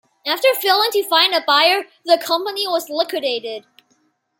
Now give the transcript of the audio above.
After failing to find a buyer, the company was liquidated.